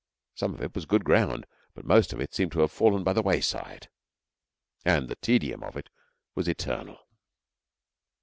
Some of it was good ground, but most of it seemed to have fallen by the wayside, and the tedium of it was eternal.